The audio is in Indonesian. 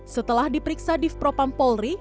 setelah diperiksa difpropam polri